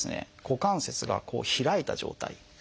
股関節が開いた状態。